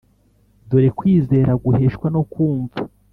Dore kwizera guheshwa no kumva,